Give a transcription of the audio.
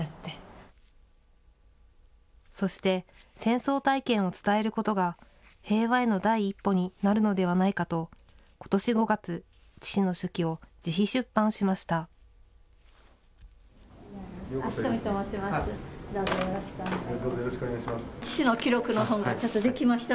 そして、戦争体験を伝えることが平和への第一歩になるのではないかと、ことし５月、父の手記を自費出版しました。